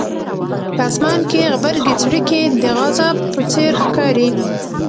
په اسمان کې غبرګې څړیکې د غضب په څېر ښکاري.